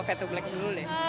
petugas dulu deh